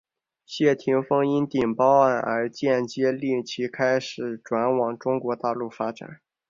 谢霆锋因顶包案而间接令其开始转往中国大陆发展。